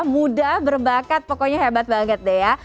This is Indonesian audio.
muda berbakat pokoknya hebat banget deh ya